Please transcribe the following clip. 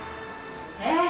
えっ？